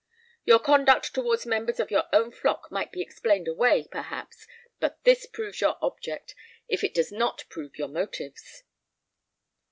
Your conduct towards members of your own flock might be explained away, perhaps, but this proves your object, if it does not prove your motives."